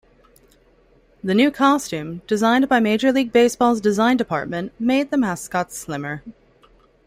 The new costume, designed by Major League Baseball's design department made the mascot slimmer.